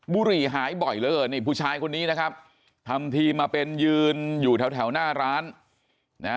บุหรี่หายบ่อยเหลือเกินนี่ผู้ชายคนนี้นะครับทำทีมาเป็นยืนอยู่แถวแถวหน้าร้านนะ